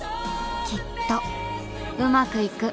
きっとウマくいく